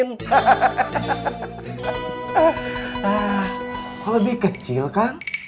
kalau lebih kecil kang